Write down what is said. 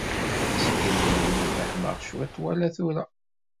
Sgellin i fehmeɣ cwiṭ wala tura.